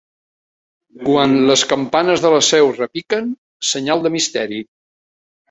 Quan les campanes de la Seu repiquen, senyal de misteri.